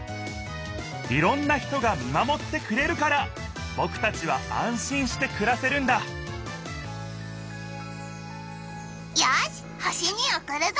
いろんな人が見守ってくれるからぼくたちは安心してくらせるんだよし星におくるぞ！